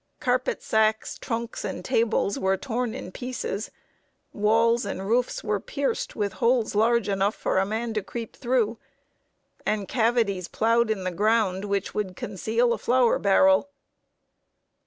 Carpet sacks, trunks, and tables were torn in pieces, walls and roofs were pierced with holes large enough for a man to creep through, and cavities plowed in the ground which would conceal a flour barrel.